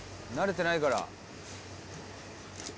慣れてないから」